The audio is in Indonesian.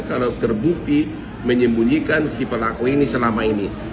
kalau terbukti menyembunyikan si pelaku ini selama ini